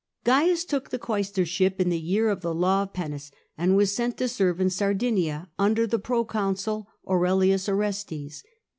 Caius took the quaestorship in the year of the law of Pennus, and was sent to serve in Sardinia under the pro consul Aurelius Orestes.